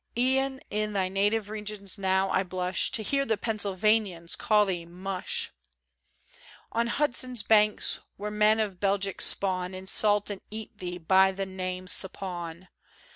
E'en in thy native regions now, I blush To hear the Pennsylvanians call thee Mush ! On Hudson's banks, where men of Belgic spawn Insult and eat thee by the name Suppawn.